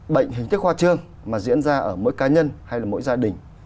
bệnh hình thức hoa trương mà diễn ra ở mỗi cá nhân hay là mỗi gia đình